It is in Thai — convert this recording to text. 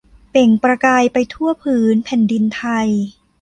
เปล่งประกายไปทั่วผืนแผ่นดินไทย